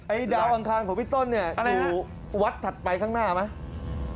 ดาวอังคารของพี่ต้นเนี่ยอยู่วัดถัดไปข้างหน้าไหม